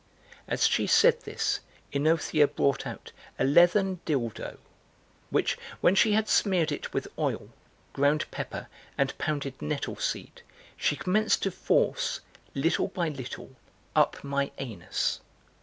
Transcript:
(As she said this OEnothea brought) out a leathern dildo which, when she had smeared it with oil, ground pepper, and pounded nettle seed, she commenced to force, little by little, up my anus.